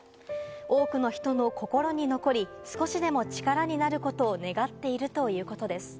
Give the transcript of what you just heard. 多くの人の心に残り、少しでも力になることを願っているということです。